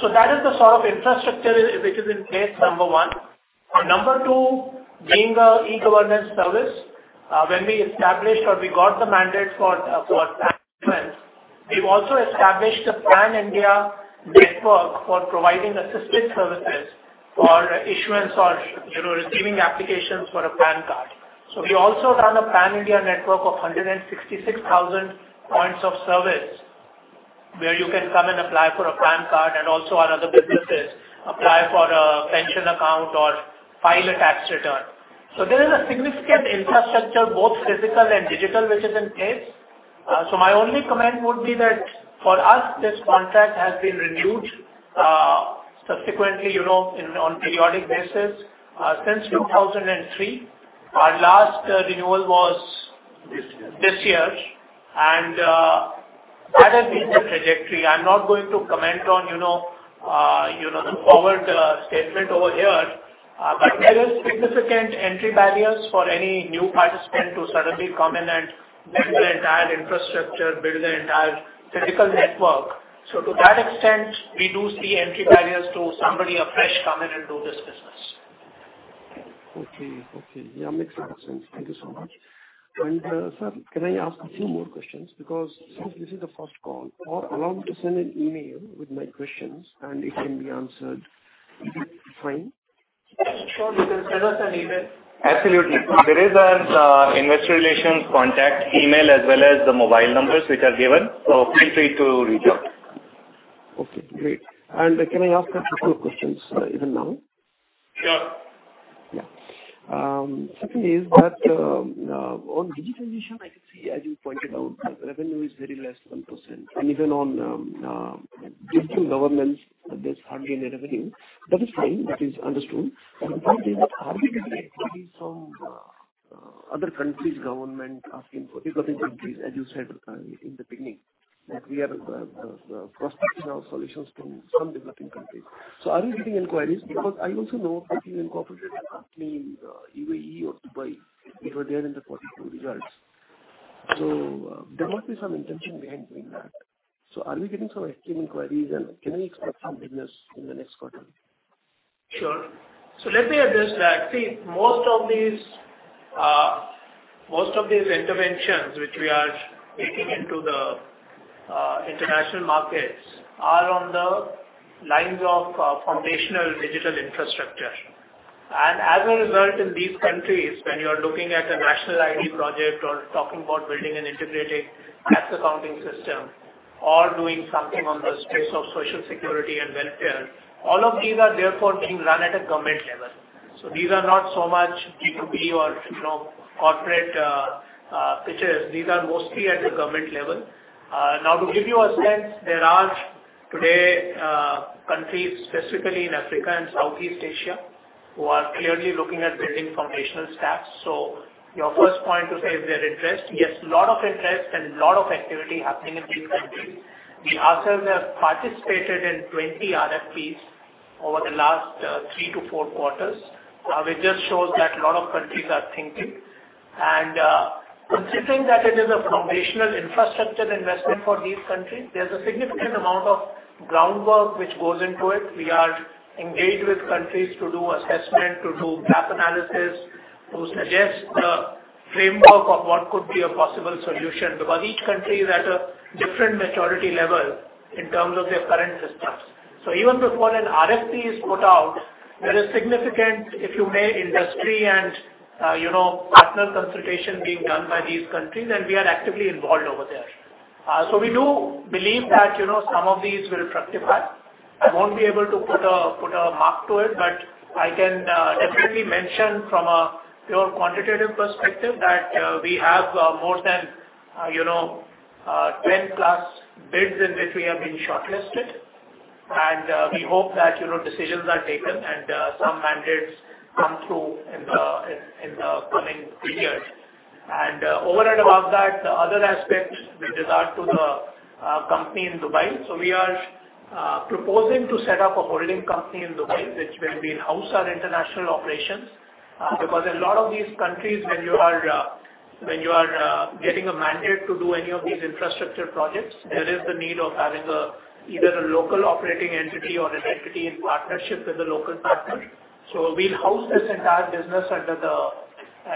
So that is the sort of infrastructure which is in place, number one. Number two, being a e-governance service, when we established or we got the mandate for, for PAN issuance, we've also established a PAN India network for providing assistance services for issuance or, you know, receiving applications for a PAN card. So we also run a PAN India network of 166,000 points of service, where you can come and apply for a PAN card and also our other businesses, apply for a pension account or file a tax return. So there is a significant infrastructure, both physical and digital, which is in place. So my only comment would be that for us, this contract has been renewed, subsequently, you know, on a periodic basis, since 2003. Our last renewal was- This year. This year, and at a major trajectory. I'm not going to comment on, you know, you know, the forward statement over here, but there is significant entry barriers for any new participant to suddenly come in and build the entire infrastructure, build the entire physical network. So to that extent, we do see entry barriers to somebody afresh, come in and do this business. Okay. Okay. Yeah, makes a lot of sense. Thank you so much. And, sir, can I ask a few more questions? Because since this is the first call, or allow me to send an email with my questions, and it can be answered. Is it fine? Sure, you can send us an email. Absolutely. There is an investor relations contact email as well as the mobile numbers, which are given, so feel free to reach out. Okay, great. And can I ask a couple of questions, even now? Sure. Yeah. Second is that on digitization, I can see, as you pointed out, that the revenue is very less than 1%. And even on digital governments, there's hardly any revenue. That is fine, that is understood. But the point is, are we getting inquiries from other countries' government asking for developing countries, as you said in the beginning, that we are prospecting our solutions from some developing countries. So are we getting inquiries? Because I also know that you incorporated a company in UAE or Dubai, it was there in the quarter 2 results. So there must be some intention behind doing that. So are we getting some active inquiries, and can we expect some business in the next quarter? Sure. So let me address that. See, most of these, most of these interventions which we are taking into the, international markets are on the lines of, foundational digital infrastructure. And as a result, in these countries, when you are looking at a national ID project or talking about building an integrated tax accounting system or doing something on the space of social security and welfare, all of these are therefore being run at a government level. So these are not so much B2B or, you know, corporate, pitches. These are mostly at the government level. Now, to give you a sense, there are today, countries, specifically in Africa and Southeast Asia, who are clearly looking at building foundational stacks. So your first point to say if they're interested, yes, a lot of interest and a lot of activity happening in these countries. We ourselves have participated in 20 RFPs over the last 3-4 quarters, which just shows that a lot of countries are thinking. Considering that it is a foundational infrastructure investment for these countries, there's a significant amount of groundwork which goes into it. We are engaged with countries to do assessment, to do gap analysis, to suggest the framework of what could be a possible solution, because each country is at a different maturity level in terms of their current systems. So even before an RFP is put out, there is significant, if you may, industry and, you know, partner consultation being done by these countries, and we are actively involved over there.... So we do believe that, you know, some of these will fructify. I won't be able to put a mark to it, but I can definitely mention from a pure quantitative perspective that we have more than, you know, 10+ bids in which we have been shortlisted. We hope that, you know, decisions are taken and some mandates come through in the coming three years. Over and above that, the other aspects with regard to the company in Dubai. We are proposing to set up a holding company in Dubai, which will be in-house our international operations. Because a lot of these countries, when you are getting a mandate to do any of these infrastructure projects, there is the need of having either a local operating entity or an entity in partnership with a local partner. So we'll house this entire business under the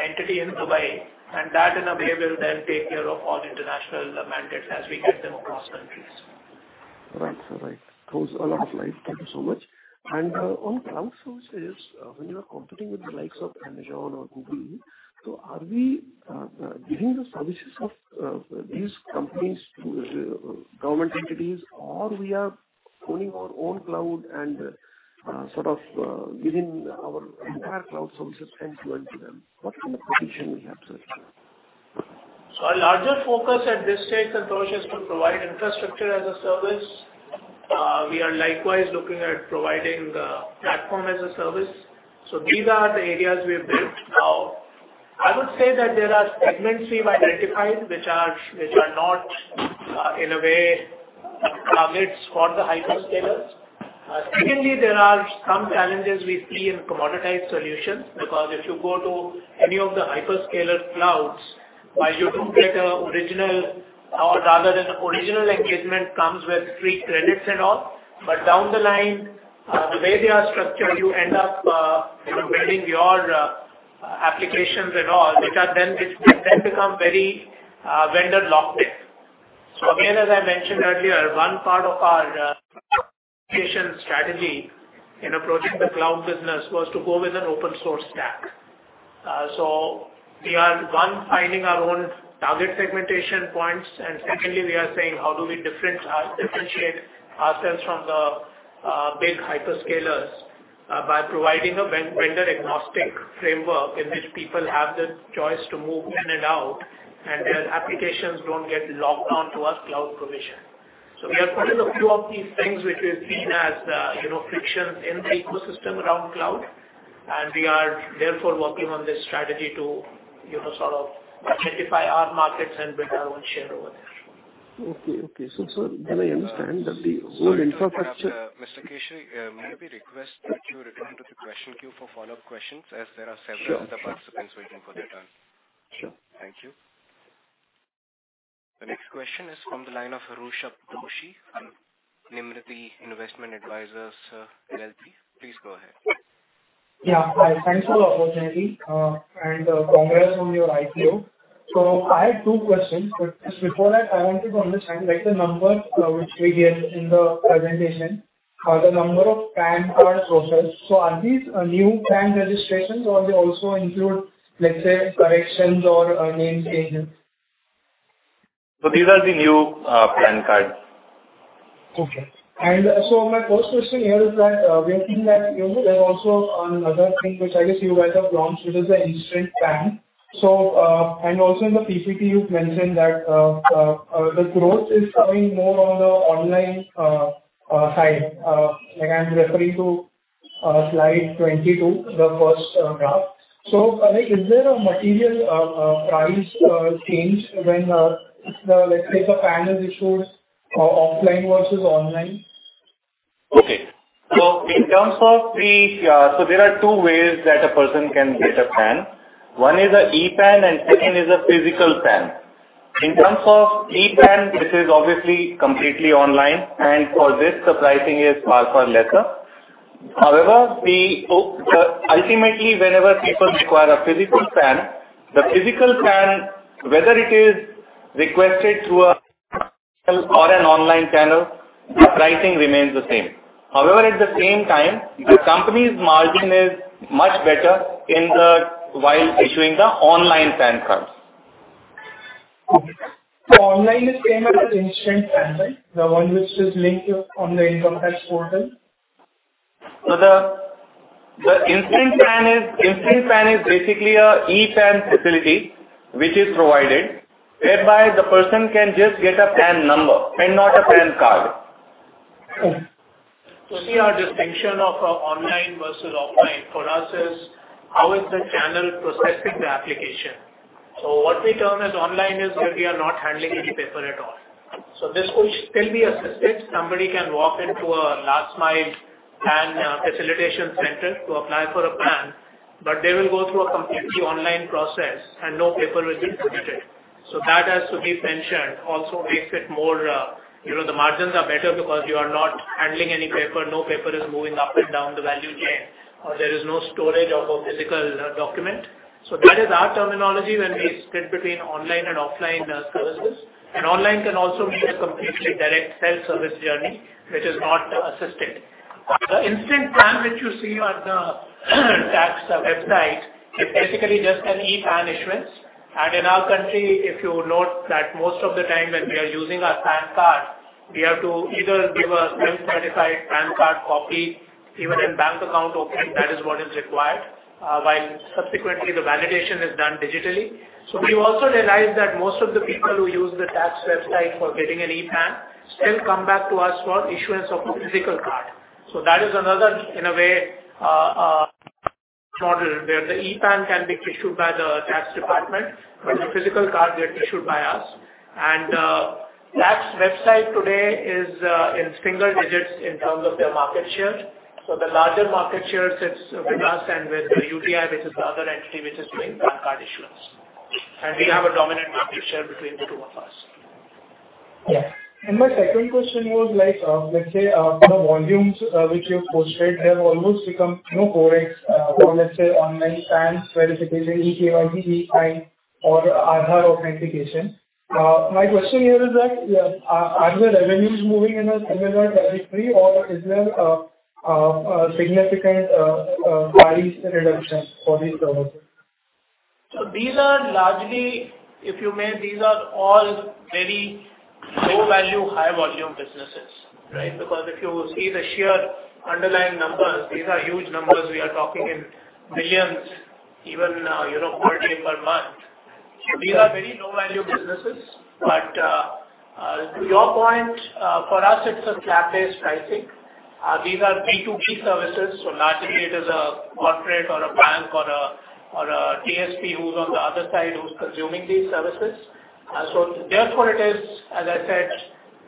entity in Dubai, and that in a way will then take care of all international mandates as we get them across countries. Right, sir. Right. Those are life]. Thank you so much. And on cloud services, when you are competing with the likes of Amazon or Google, so are we giving the services of these companies to government entities, or we are owning our own cloud and sort of giving our entire cloud services end-to-end to them? What kind of position we have, sir? So our larger focus at this stage, Santosh, is to provide infrastructure as a service. We are likewise looking at providing the platform as a service. So these are the areas we have built out. I would say that there are segments we might identify, which are, which are not, in a way, fits for the hyperscalers. Secondly, there are some challenges we see in commoditized solutions, because if you go to any of the hyperscaler clouds, while you do get a original or rather than the original engagement comes with free credits and all, but down the line, the way they are structured, you end up, you know, building your, applications and all, which are then, which then become very, vendor locked-in. So again, as I mentioned earlier, one part of our, patient strategy in approaching the cloud business was to go with an open source stack. So we are, one, finding our own target segmentation points, and secondly, we are saying, how do we differentiate ourselves from the big hyperscalers by providing a vendor-agnostic framework in which people have the choice to move in and out, and their applications don't get locked on to our cloud provision. So we are putting a few of these things, which is seen as, you know, frictions in the ecosystem around cloud, and we are therefore working on this strategy to, you know, sort of identify our markets and build our own share over there. Okay, okay. So, sir, then I understand that the whole infrastructure- Mr. Keshri, may I request that you return to the question queue for follow-up questions, as there are several- Sure. Other participants waiting for their turn. Sure. Thank you. The next question is from the line of Rushabh Doshi, Nirmiti Investment Advisors, LLP, sir. Please go ahead. Yeah. Hi, thanks for the opportunity, and congrats on your IPO. So I have 2 questions, but just before that, I want to understand, like, the numbers, which we get in the presentation, the number of PAN card process. So are these new PAN registrations, or they also include, let's say, corrections or name changes? These are the new PAN cards. Okay. And so my first question here is that, we have seen that, you know, there are also another thing, which I guess you guys have launched, which is the instant PAN. So, and also in the PPT, you've mentioned that, the growth is coming more on the online, side. Like, I'm referring to, slide 22, the first, graph. So, like, is there a material, price, change when, the, let's say, the PAN is issued, offline versus online? Okay. So in terms of the, So there are two ways that a person can get a PAN. One is a e-PAN, and second is a physical PAN. In terms of e-PAN, this is obviously completely online, and for this, the pricing is far, far lesser. However, we hope, ultimately, whenever people require a physical PAN, the physical PAN, whether it is requested through a or an online channel, the pricing remains the same. However, at the same time, the company's margin is much better in the, while issuing the online PAN cards. So online is same as the instant PAN, right? The one which is linked to on the income tax portal. So the instant PAN is basically an e-PAN facility, which is provided, whereby the person can just get a PAN number and not a PAN card. To see our distinction of online versus offline, for us is how the channel is processing the application? So what we term as online is where we are not handling any paper at all. So this will still be assisted. Somebody can walk into a last mile PAN facilitation center to apply for a PAN, but they will go through a completely online process and no paper will be submitted. So that has to be mentioned, also makes it more, you know, the margins are better because you are not handling any paper. No paper is moving up and down the value chain, or there is no storage of a physical document. So that is our terminology when we split between online and offline, services. And online can also be a completely direct self-service journey, which is not assisted. The instant PAN which you see on the tax website, is basically just an e-PAN issuance. And in our country, if you note that most of the time when we are using our PAN card, we have to either give a self-certified PAN card copy, even in bank account opening, that is what is required, while subsequently the validation is done digitally. So we also realized that most of the people who use the tax website for getting an e-PAN, still come back to us for issuance of a physical card. So that is another, in a way, model, where the e-PAN can be issued by the tax department, but the physical card get issued by us. Tax website today is in single digits in terms of their market share. So the larger market share sits with us and with the UTI, which is the other entity which is doing PAN card issuance. We have a dominant market share between the two of us. Yeah. And my second question was like, let's say, the volumes which you've posted, they have almost become, you know, CRAs, or let's say, online PAN verification, eKYC, eSign or Aadhaar authentication. My question here is that, are the revenues moving in a linear trajectory, or is there a significant variance in reductions for these services? So these are largely, if you may, these are all very low value, high volume businesses, right? Because if you see the sheer underlying numbers, these are huge numbers. We are talking in billions, even, you know, quarterly per month. These are very low value businesses. But, to your point, for us, it's a flat-based pricing. These are B2B services, so largely it is a corporate or a bank or a, or a TSP who's on the other side, who's consuming these services. So therefore, it is, as I said,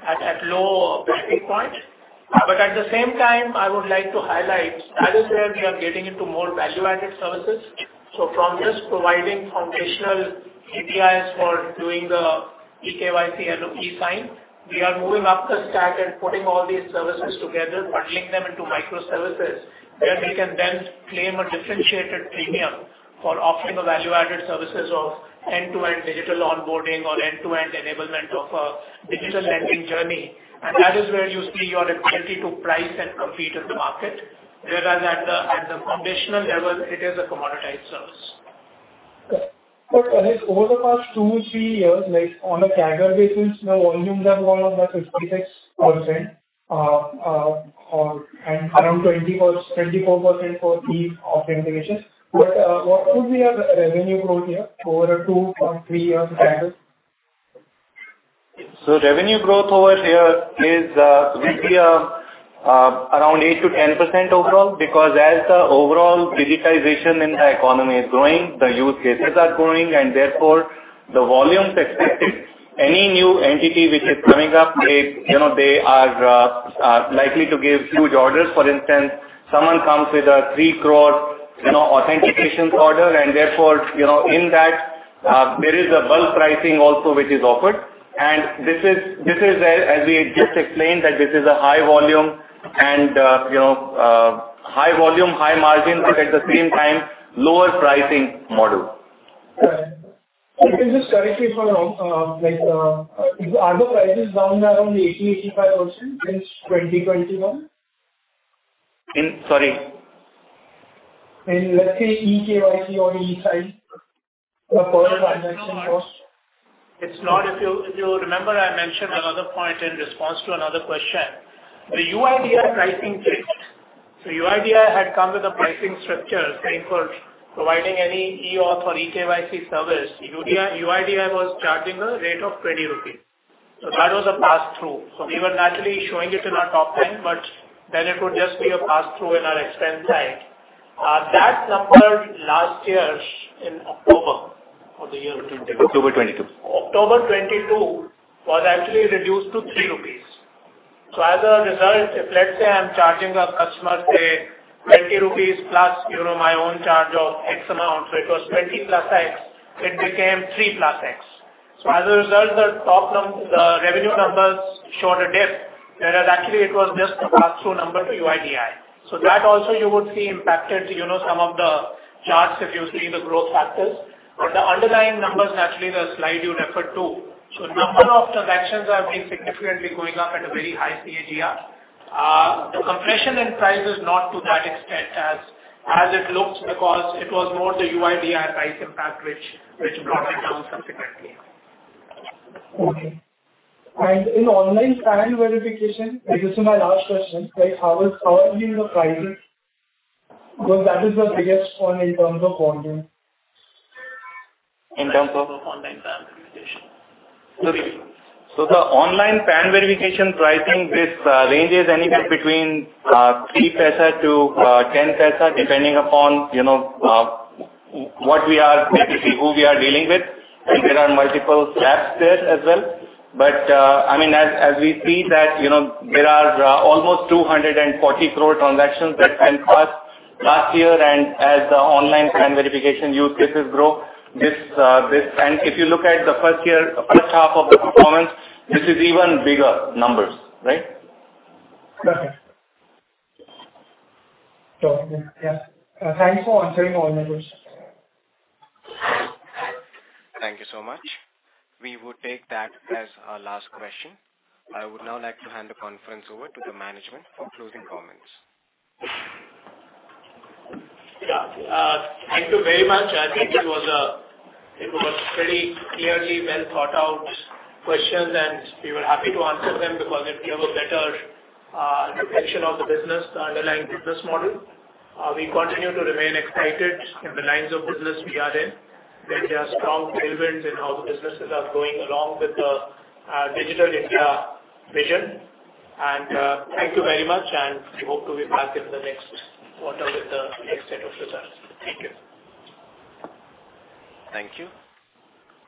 at, at low pricing point. But at the same time, I would like to highlight, that is where we are getting into more value-added services. So from just providing foundational APIs for doing the eKYC and eSign, we are moving up the stack and putting all these services together, bundling them into microservices, where we can then claim a differentiated premium for offering the value-added services of end-to-end digital onboarding or end-to-end enablement of digital lending journey. And that is where you see your ability to price and compete in the market, whereas at the foundational level, it is a commoditized service. But over the past two, three years, like on a CAGR basis, the volumes have grown by 56%, or and around 20-24% for e-Authentications. But, what would be our revenue growth here over a two or three-year CAGR? Revenue growth over here is, will be, around 8%-10% overall, because as the overall digitization in the economy is growing, the use cases are growing, and therefore, the volumes expected. Any new entity which is coming up, it, you know, they are, likely to give huge orders. For instance, someone comes with a 3 crore, you know, authentications order, and therefore, you know, in that, there is a bulk pricing also, which is offered. And this is, this is where, as we just explained, that this is a high volume and, you know, high volume, high margin, but at the same time, lower pricing model. Right. Please just correct me if I'm wrong, like, are the prices down around 80%-85% since 2021? In? Sorry. In, let's say, eKYC or eSign, the per transaction cost. It's not. If you, if you remember, I mentioned another point in response to another question. The UIDAI pricing fixed. So UIDAI had come with a pricing structure, saying for providing any e-Auth or eKYC service, UIDAI, UIDAI was charging a rate of 20 rupees. So that was a pass-through. So we were naturally showing it in our top end, but then it would just be a pass-through in our expense side. That number last year in October, for the year 2022- October 2022. October 2022, was actually reduced to 3 rupees. So as a result, if, let's say, I'm charging a customer, say, 20 rupees plus, you know, my own charge of X amount, so it was 20 + X, it became 3 + X. So as a result, the top-line revenue numbers showed a dip, whereas actually it was just a pass-through number to UIDAI. So that also you would see impacted, you know, some of the charts if you're seeing the growth factors. But the underlying numbers, naturally, the slide you referred to. So number of transactions are being significantly going up at a very high CAGR. The compression in price is not to that extent as, as it looked, because it was more the UIDAI price impact, which, which brought it down subsequently. Okay. In online PAN verification, this is my last question, like, how is, how are you the pricing? Because that is the biggest one in terms of volume. In terms of? In terms of online PAN verification. So the online PAN verification pricing, this, ranges anywhere between 0.03-0.10, depending upon, you know, what we are basically, who we are dealing with, and there are multiple slabs there as well. But, I mean, as we see that, you know, there are almost 240 crore transactions that went last year, and as the online PAN verification use cases grow, this, this— and if you look at the first year, first half of the performance, this is even bigger numbers, right? Perfect. So, yeah. Thank you for answering all my questions. Thank you so much. We would take that as our last question. I would now like to hand the conference over to the management for closing comments. Yeah. Thank you very much. I think it was pretty clearly well thought out questions, and we were happy to answer them, because it give a better depiction of the business, the underlying business model. We continue to remain excited in the lines of business we are in, that there are strong tailwinds in how the businesses are going along with the Digital India vision. And thank you very much, and we hope to be back in the next quarter with the next set of results. Thank you. Thank you.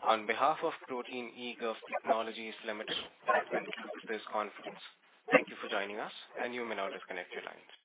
On behalf of Protean eGov Technologies Limited, I thank you for this conference. Thank you for joining us, and you may now disconnect your lines.